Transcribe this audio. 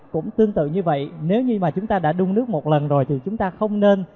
cũng tương tự như vậy nếu như mà chúng ta đã đun nước một lần rồi thì chúng ta không nên